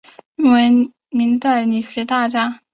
崔铣为明代理学大家。